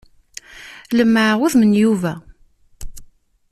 Lemmɛeɣ udem n Yuba.